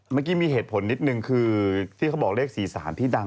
เมื่อกี้มีเหตุผลนิดนึงคือที่เขาบอกเลขสีสารที่ดัง